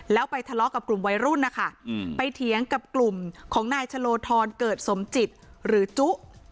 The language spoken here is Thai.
แล้วไปทะเลาะกับกลุ่มวัยรุ่นนะคะไปเถียงกับกลุ่มของนายชะโลธรเกิดสมจิตหรือจุ